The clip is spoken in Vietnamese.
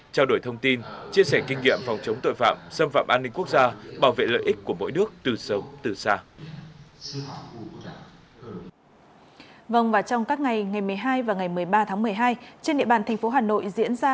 trao đổi thông tin chia sẻ kinh nghiệm phòng chống tội phạm xâm phạm an ninh quốc gia bảo vệ lợi ích của mỗi nước từ sâu từ xa